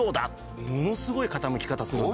ものすごい傾き方するんです。